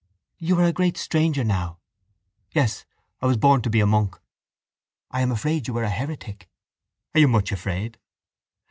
—You are a great stranger now. —Yes. I was born to be a monk. —I am afraid you are a heretic. —Are you much afraid?